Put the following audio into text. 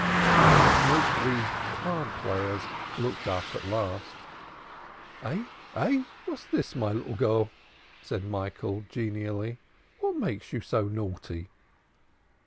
The smoke wreathed card players looked up at last. "Eh? Eh? What's this, my little girl." said Michael genially. "What makes you so naughty?"